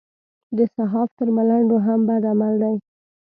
د صحافت تر ملنډو هم بد عمل دی.